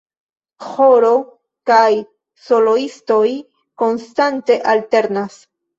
Ĥoro kaj soloistoj konstante alternas.